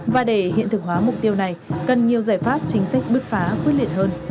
và để hiện thực hóa mục tiêu này cần nhiều giải pháp chính sách bứt phá quyết liệt hơn